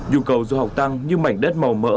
nhu cầu du học tăng như mảnh đất màu mỡ